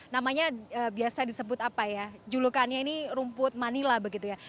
namanya biasa disebut apa ya julukannya ini rumput manila begitu ya